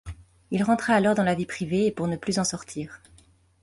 Il rentra alors dans la vie privée et pour ne plus en sortir.